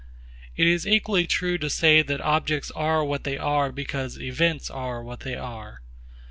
It is equally true to say that objects are what they are because events are what they are.